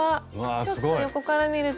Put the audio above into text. ちょっと横から見ると。